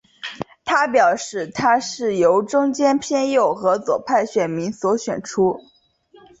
他表示他是由中间偏右和左派选民所选出。